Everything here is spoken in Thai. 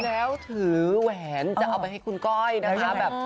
แล้วถือแหวนจะเอาไปให้คุณก้อยนะคะแบบ